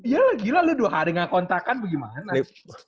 ya lah gila lo dua hari gak kontakan bagaimana